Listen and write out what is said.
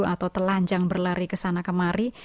atau telanjang berlari ke sana kemari